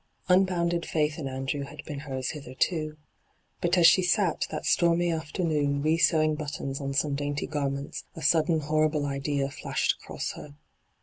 Unbounded faith in Andrew had been hers hitherto. But as she sat that stormy after noon re sewing buttons on some dainty garments a sudden horrible idea flashed across her.